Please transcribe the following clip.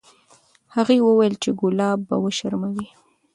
هغې وویل چې ګلاب به وشرموي.